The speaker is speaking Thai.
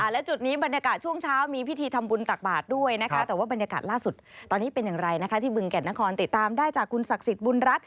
และจุดนี้บรรยากาศช่วงเช้ามีพิธีทำวุลตักบาดด้วยนะคะ